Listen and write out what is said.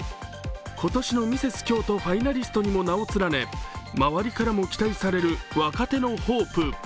今年のミセス京都ファイナリストにも名を連ね周りからも期待される若手のホープ。